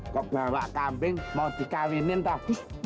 kau bawa kambing mau dikarinin toh